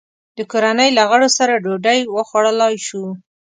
د کورنۍ له غړو سره ډوډۍ وخوړلای شو.